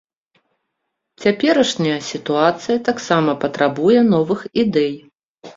Цяперашняя сітуацыя таксама патрабуе новых ідэй.